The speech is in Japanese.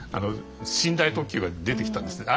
寝台特急が出てきたんですね。